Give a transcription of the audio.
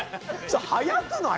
早くない？